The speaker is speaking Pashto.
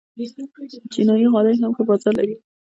چینايي غالۍ هم ښه بازار لري.